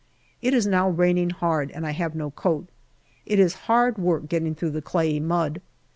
It is now raining hard, and I have no coat. It is hard work getting through the clayey mud.